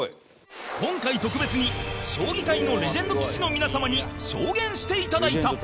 今回、特別に将棋界のレジェンド棋士の皆様に証言していただいた。